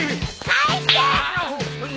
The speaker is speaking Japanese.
返してっ！